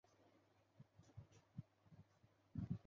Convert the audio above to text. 莱唐韦尔吉。